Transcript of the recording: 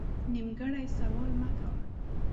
نیمګړی سوال مه کوه